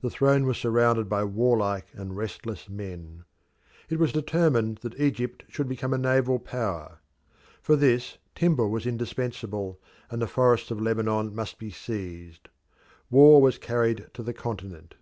The throne was surrounded by warlike and restless men. It was determined that Egypt should become a naval power. For this, timber was indispensable, and the forests of Lebanon must be seized. War was carried to the continent.